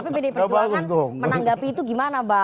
tapi pdi perjuangan menanggapi itu gimana mbak